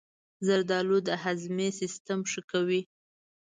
زردآلو د هاضمې سیستم ښه کوي.